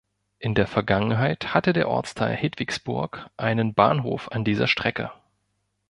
In der Vergangenheit hatte der Ortsteil Hedwigsburg einen Bahnhof an dieser Strecke.